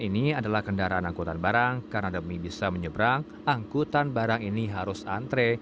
ini adalah kendaraan angkutan barang karena demi bisa menyeberang angkutan barang ini harus antre